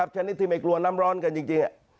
ชนิดที่ไม่กลัวน้ำร้อนกันจริง